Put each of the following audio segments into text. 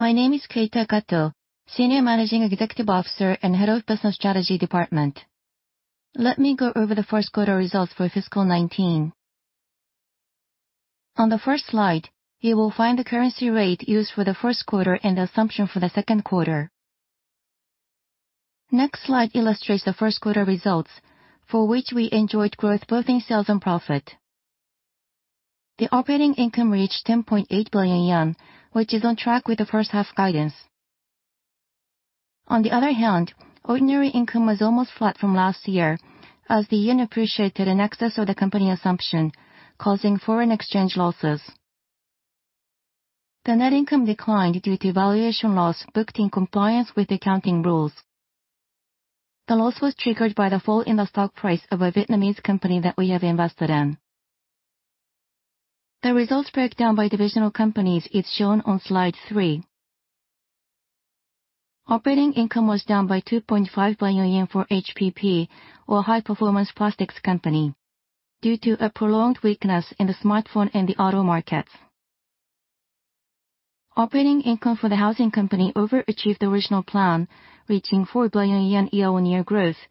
My name is Keita Kato, Senior Managing Executive Officer and Head of Business Strategy Department. Let me go over the first quarter results for fiscal 2019. On the first slide, you will find the currency rate used for the first quarter and the assumption for the second quarter. Next slide illustrates the first quarter results, for which we enjoyed growth both in sales and profit. The operating income reached 10.8 billion yen, which is on track with the first half guidance. On the other hand, ordinary income was almost flat from last year, as the yen appreciated in excess of the company assumption, causing foreign exchange losses. The net income declined due to valuation loss booked in compliance with accounting rules. The loss was triggered by the fall in the stock price of a Vietnamese company that we have invested in. The results breakdown by divisional companies is shown on slide three. Operating income was down by 2.5 billion yen for HPP, or High Performance Plastics Company, due to a prolonged weakness in the smartphone and the auto markets. Operating income for the housing company over-achieved the original plan, reaching 4 billion yen year-on-year growth,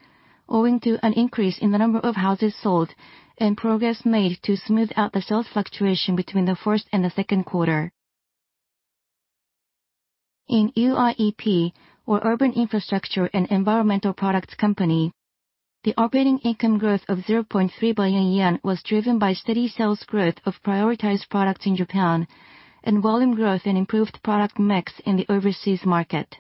owing to an increase in the number of houses sold and progress made to smooth out the sales fluctuation between the first and the second quarter. In UIEP, or Urban Infrastructure and Environmental Products Company, the operating income growth of 0.3 billion yen was driven by steady sales growth of prioritized products in Japan and volume growth and improved product mix in the overseas market.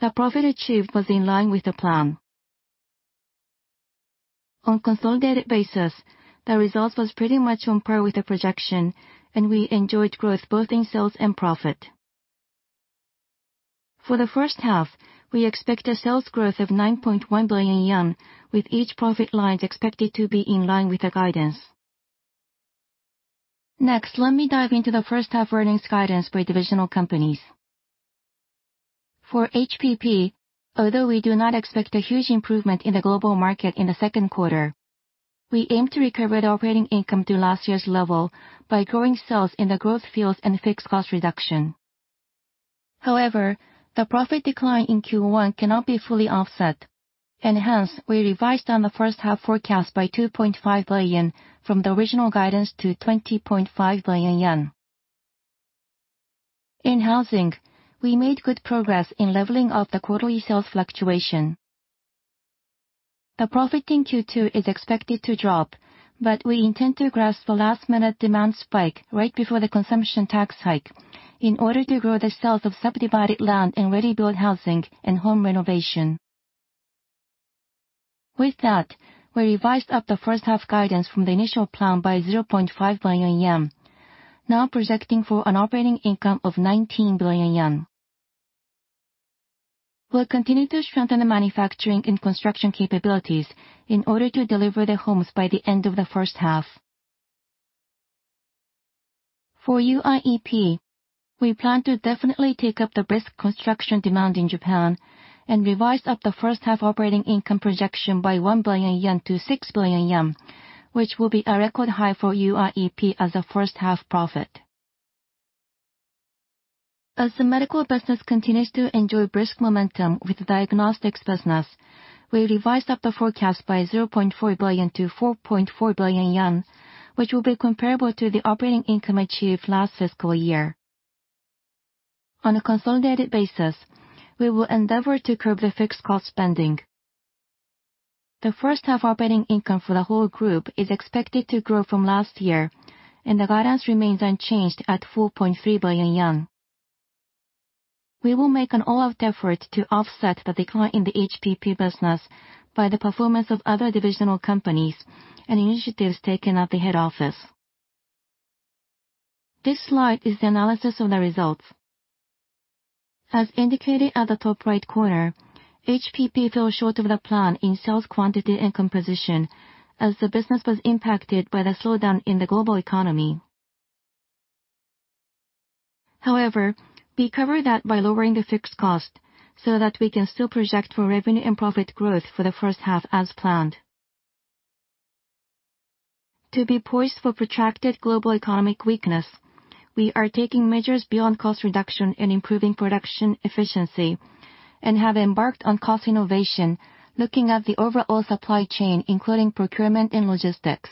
The profit achieved was in line with the plan. On consolidated basis, the result was pretty much on par with the projection, we enjoyed growth both in sales and profit. For the first half, we expect a sales growth of 9.1 billion yen, with each profit lines expected to be in line with the guidance. Let me dive into the first half earnings guidance for divisional companies. For HPP, although we do not expect a huge improvement in the global market in the second quarter, we aim to recover the operating income to last year's level by growing sales in the growth fields and fixed cost reduction. The profit decline in Q1 cannot be fully offset, and hence we revised on the first half forecast by 2.5 billion yen, from the original guidance to 20.5 billion yen. In housing, we made good progress in leveling up the quarterly sales fluctuation. The profit in Q2 is expected to drop. We intend to grasp the last-minute demand spike right before the consumption tax hike in order to grow the sales of subdivided land and ready-built housing and home renovation. With that, we revised up the first half guidance from the initial plan by 0.5 billion yen, now projecting for an operating income of 19 billion yen. We'll continue to strengthen the manufacturing and construction capabilities in order to deliver the homes by the end of the first half. For UIEP, we plan to definitely take up the brisk construction demand in Japan and revise up the first half operating income projection by 1 billion yen to 6 billion yen, which will be a record high for UIEP as a first half profit. As the medical business continues to enjoy brisk momentum with the diagnostics business, we revised up the forecast by 0.4 billion to 4.4 billion yen, which will be comparable to the operating income achieved last fiscal year. On a consolidated basis, we will endeavor to curb the fixed cost spending. The first half operating income for the whole group is expected to grow from last year, and the guidance remains unchanged at 4.3 billion yen. We will make an all-out effort to offset the decline in the HPP business by the performance of other divisional companies and initiatives taken at the head office. This slide is the analysis of the results. As indicated at the top right corner, HPP fell short of the plan in sales quantity and composition as the business was impacted by the slowdown in the global economy. We cover that by lowering the fixed cost so that we can still project for revenue and profit growth for the first half as planned. To be poised for protracted global economic weakness, we are taking measures beyond cost reduction and improving production efficiency, and have embarked on cost innovation, looking at the overall supply chain, including procurement and logistics.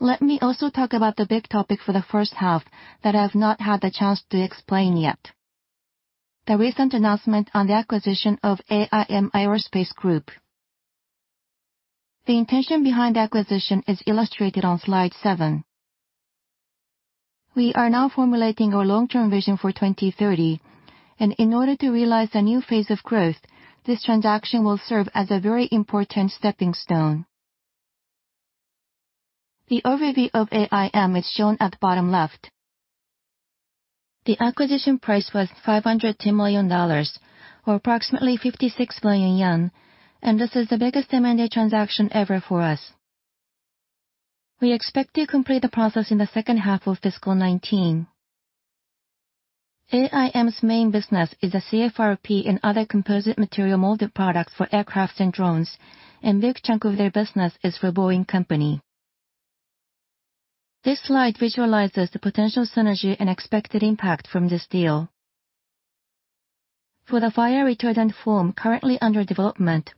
Let me also talk about the big topic for the first half that I have not had the chance to explain yet, the recent announcement on the acquisition of AIM Aerospace Group. The intention behind the acquisition is illustrated on slide seven. We are now formulating our long-term vision for 2030, and in order to realize the new phase of growth, this transaction will serve as a very important stepping stone. The overview of AIM is shown at the bottom left. The acquisition price was $510 million, or approximately 56 billion yen. This is the biggest M&A transaction ever for us. We expect to complete the process in the second half of fiscal 2019. AIM's main business is the CFRP and other composite material molded products for aircraft and drones. A big chunk of their business is for Boeing Company. This slide visualizes the potential synergy and expected impact from this deal. For the fire retardant foam currently under development,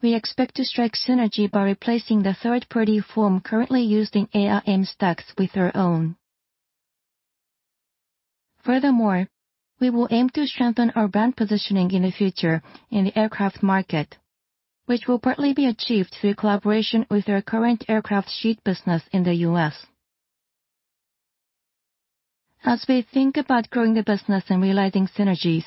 we expect to strike synergy by replacing the third-party foam currently used in AIM stacks with our own. Furthermore, we will aim to strengthen our brand positioning in the future in the aircraft market, which will partly be achieved through collaboration with our current aircraft sheet business in the U.S. As we think about growing the business and realizing synergies,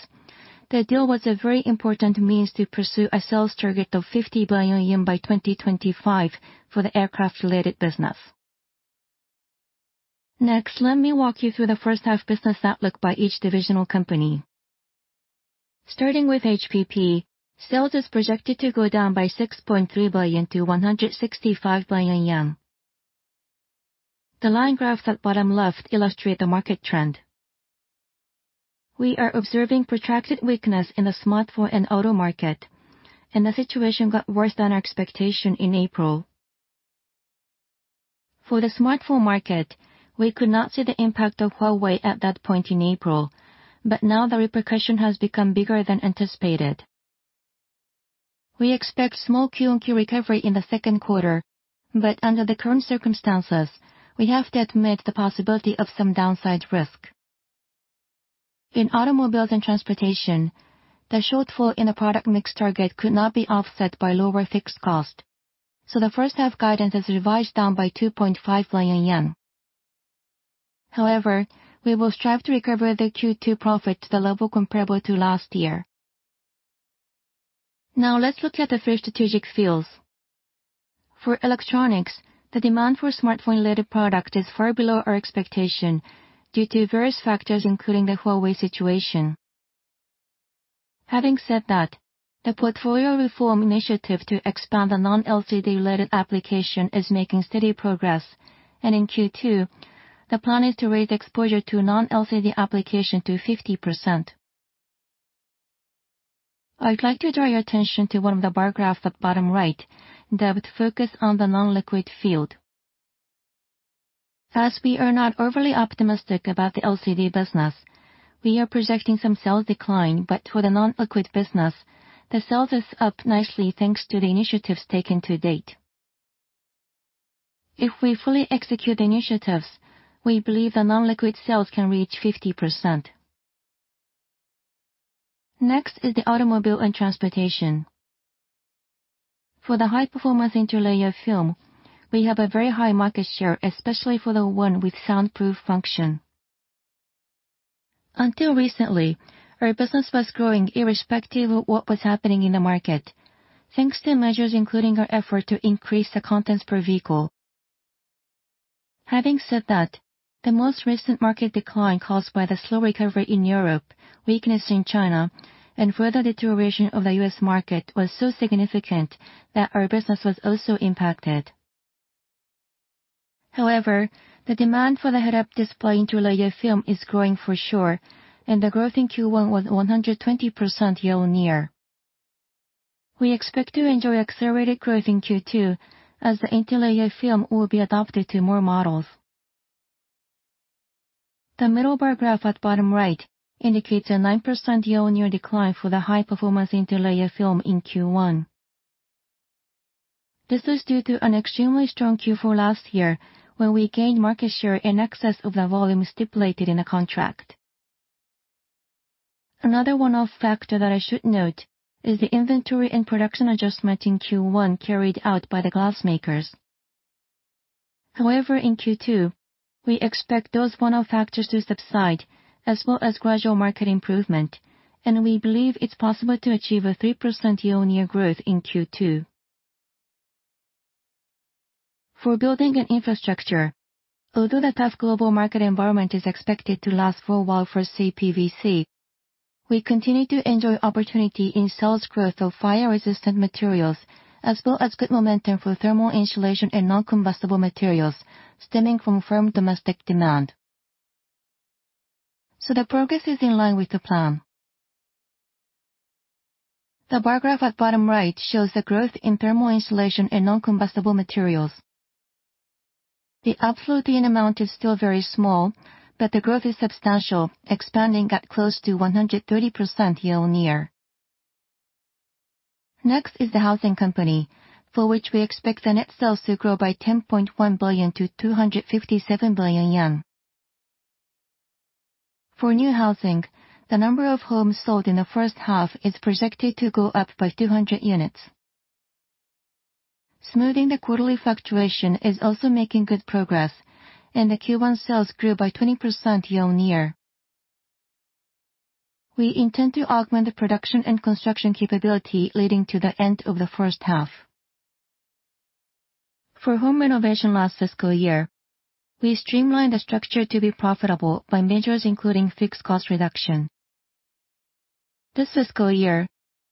the deal was a very important means to pursue a sales target of 50 billion yen by 2025 for the aircraft related business. Let me walk you through the first half business outlook by each divisional company. Starting with HPP, sales is projected to go down by 6.3 billion to 165 billion yen. The line graphs at bottom left illustrate the market trend. We are observing protracted weakness in the smartphone and auto market. The situation got worse than our expectation in April. For the smartphone market, we could not see the impact of Huawei at that point in April. Now the repercussion has become bigger than anticipated. We expect small Q-on-Q recovery in the second quarter. Under the current circumstances, we have to admit the possibility of some downside risk. In automobiles and transportation, the shortfall in the product mix target could not be offset by lower fixed cost. The first half guidance is revised down by 2.5 billion yen. We will strive to recover the Q2 profit to the level comparable to last year. Let's look at the three strategic fields. For electronics, the demand for smartphone related product is far below our expectation due to various factors, including the Huawei situation. Having said that, the portfolio reform initiative to expand the non-LCD related application is making steady progress, and in Q2, the plan is to raise exposure to non-LCD application to 50%. I'd like to draw your attention to one of the bar graphs at bottom right that would focus on the non-LCD field. We are not overly optimistic about the LCD business, we are projecting some sales decline, but for the non-LCD business, the sales is up nicely thanks to the initiatives taken to date. If we fully execute the initiatives, we believe that non-LCD sales can reach 50%. The automobile and transportation. For the high-performance interlayer film, we have a very high market share, especially for the one with soundproof function. Until recently, our business was growing irrespective of what was happening in the market, thanks to measures including our effort to increase the contents per vehicle. Having said that, the most recent market decline caused by the slow recovery in Europe, weakness in China, and further deterioration of the U.S. market was so significant that our business was also impacted. However, the demand for the head-up display interlayer film is growing for sure, and the growth in Q1 was 120% year-on-year. We expect to enjoy accelerated growth in Q2 as the interlayer film will be adopted to more models. The middle bar graph at bottom right indicates a 9% year-on-year decline for the high-performance interlayer film in Q1. This is due to an extremely strong Q4 last year when we gained market share in excess of the volume stipulated in a contract. Another one-off factor that I should note is the inventory and production adjustment in Q1 carried out by the glass makers. However, in Q2, we expect those one-off factors to subside, as well as gradual market improvement, and we believe it's possible to achieve a 3% year-on-year growth in Q2. For building and infrastructure, although the tough global market environment is expected to last for a while for CPVC, we continue to enjoy opportunity in sales growth of fire-resistant materials, as well as good momentum for thermal insulation and non-combustible materials stemming from firm domestic demand. The progress is in line with the plan. The bar graph at bottom right shows the growth in thermal insulation and non-combustible materials. The absolute amount is still very small, but the growth is substantial, expanding at close to 130% year-on-year. Next is the Housing Company, for which we expect the net sales to grow by 10.1 billion-257 billion yen. For new housing, the number of homes sold in the first half is projected to go up by 200 units. Smoothing the quarterly fluctuation is also making good progress, and the Q1 sales grew by 20% year-on-year. We intend to augment the production and construction capability leading to the end of the first half. For home renovation last fiscal year, we streamlined the structure to be profitable by measures including fixed cost reduction. This fiscal year,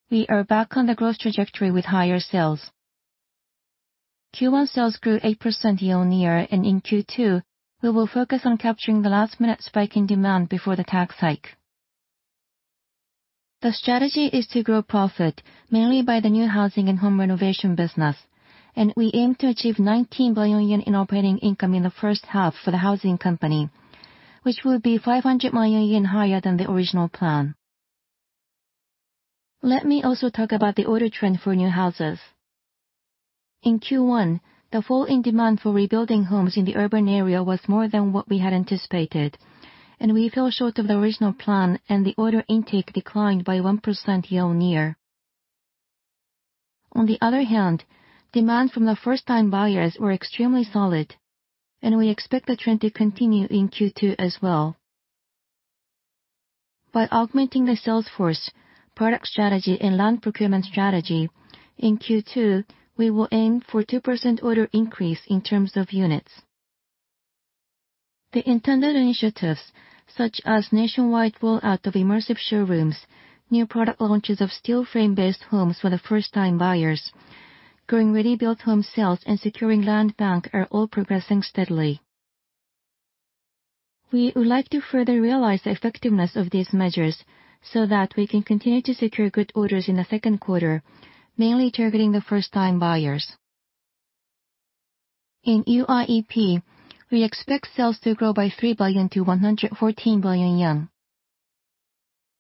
we are back on the growth trajectory with higher sales. Q1 sales grew 8% year-on-year, and in Q2, we will focus on capturing the last-minute spike in demand before the tax hike. The strategy is to grow profit mainly by the new housing and home renovation business, and we aim to achieve 19 billion yen in operating income in the first half for the housing company, which will be 500 million yen higher than the original plan. Let me also talk about the order trend for new houses. In Q1, the fall in demand for rebuilding homes in the urban area was more than what we had anticipated, and we fell short of the original plan, and the order intake declined by 1% year-on-year. On the other hand, demand from the first-time buyers were extremely solid, and we expect the trend to continue in Q2 as well. By augmenting the sales force, product strategy, and land procurement strategy, in Q2, we will aim for 2% order increase in terms of units. The intended initiatives such as nationwide rollout of immersive showrooms, new product launches of steel frame-based homes for the first-time buyers, growing ready-built home sales, and securing land bank are all progressing steadily. We would like to further realize the effectiveness of these measures so that we can continue to secure good orders in the second quarter, mainly targeting the first-time buyers. In UIEP, we expect sales to grow by 3 billion to 114 billion yen.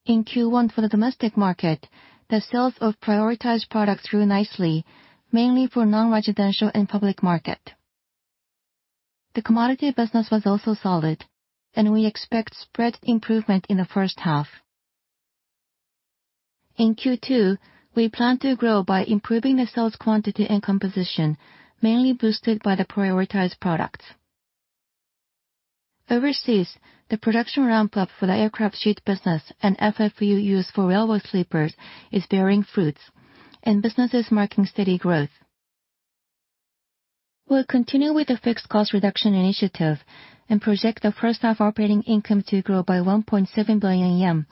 In Q1 for the domestic market, the sales of prioritized products grew nicely, mainly for non-residential and public market. The commodity business was also solid. We expect spread improvement in the first half. In Q2, we plan to grow by improving the sales quantity and composition, mainly boosted by the prioritized products. Overseas, the production ramp-up for the aircraft sheet business and FFU used for railway sleepers is bearing fruits. Business is marking steady growth. We'll continue with the fixed cost reduction initiative. Project the first half operating income to grow by 1.7 billion yen,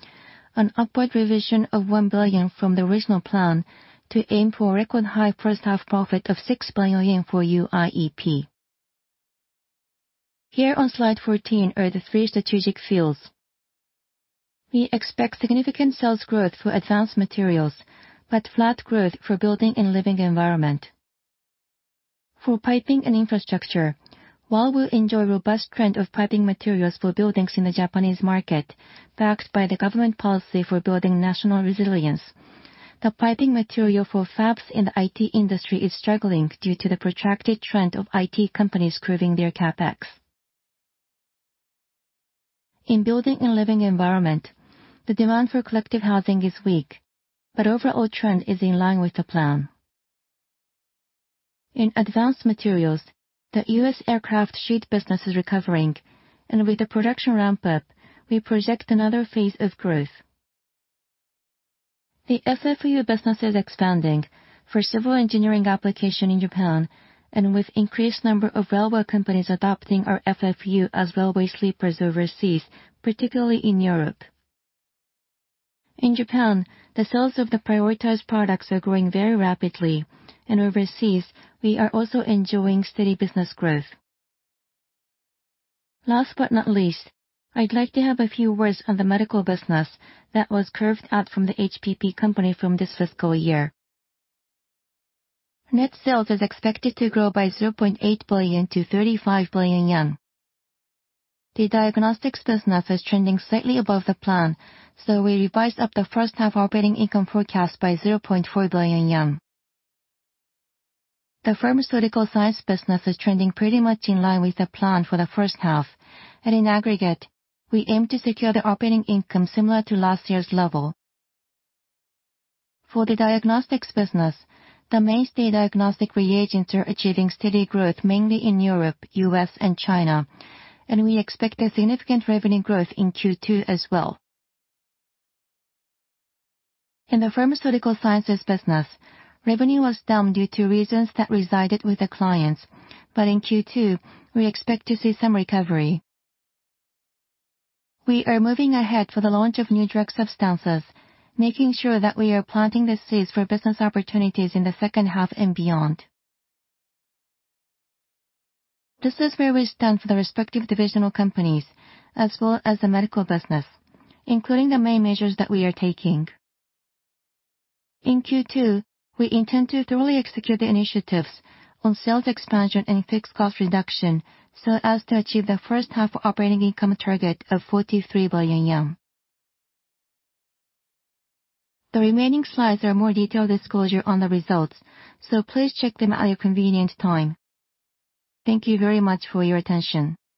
an upward revision of 1 billion from the original plan to aim for a record high first half profit of 6 billion yen for UIEP. Here on slide 14 are the three strategic fields. We expect significant sales growth for advanced materials, but flat growth for building and living environment. For piping and infrastructure, while we enjoy robust trend of piping materials for buildings in the Japanese market backed by the government policy for building national resilience, the piping material for fabs in the IT industry is struggling due to the protracted trend of IT companies curbing their CapEx. In building and living environment, the demand for collective housing is weak, but overall trend is in line with the plan. In advanced materials, the U.S. aircraft sheet business is recovering, and with the production ramp-up, we project another phase of growth. The FFU business is expanding for civil engineering application in Japan and with increased number of railway companies adopting our FFU as railway sleepers overseas, particularly in Europe. In Japan, the sales of the prioritized products are growing very rapidly, and overseas, we are also enjoying steady business growth. Last but not least, I'd like to have a few words on the medical business that was carved out from the HPP Company from this fiscal year. Net sales is expected to grow by 0.8 billion to 35 billion yen. The diagnostics business is trending slightly above the plan, we revised up the first half operating income forecast by 0.4 billion JPY. In aggregate, we aim to secure the operating income similar to last year's level. For the diagnostics business, the mainstay diagnostic reagents are achieving steady growth mainly in Europe, U.S., and China, and we expect a significant revenue growth in Q2 as well. In the pharmaceutical sciences business, revenue was down due to reasons that resided with the clients. In Q2, we expect to see some recovery. We are moving ahead for the launch of new drug substances, making sure that we are planting the seeds for business opportunities in the second half and beyond. This is where we stand for the respective divisional companies as well as the medical business, including the main measures that we are taking. In Q2, we intend to thoroughly execute the initiatives on sales expansion and fixed cost reduction so as to achieve the first half operating income target of 43 billion yen. The remaining slides are more detailed disclosure on the results, please check them at your convenient time. Thank you very much for your attention.